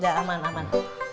gak aman aman